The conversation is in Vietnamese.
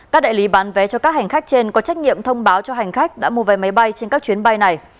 các đại lý bán vé cho các hành khách trên có trách nhiệm thông báo cho hành khách đã mua vé máy bay trên các chuyến bay này